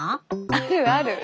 あるある。